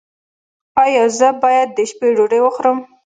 ایا زه باید د شپې ډوډۍ وخورم؟